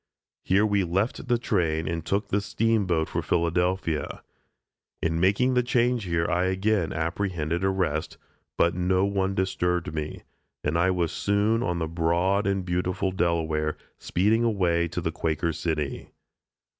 Here we left the train and took the steamboat for Philadelphia. In making the change here I again apprehended arrest, but no one disturbed me, and I was soon on the broad and beautiful Delaware, speeding away to the Quaker City.